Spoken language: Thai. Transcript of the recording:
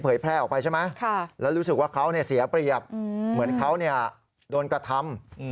แพร่ออกไปใช่ไหมแล้วรู้สึกว่าเขาเสียเปรียบเหมือนเขาโดนกระทำ